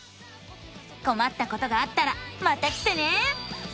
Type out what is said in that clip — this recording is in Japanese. こまったことがあったらまた来てね！